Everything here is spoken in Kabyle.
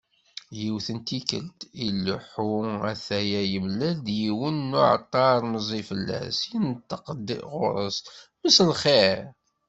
Yiwet n tikkelt, ileḥḥu a-t-aya yemlal-d yiwen n uεeṭṭar meẓẓi fell-as, yenṭeq-d γur-s: Mselxir.